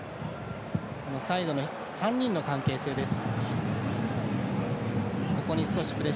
サイドの３人の関係性です。